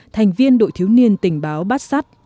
thành viên đội thiếu niên tình báo bát sát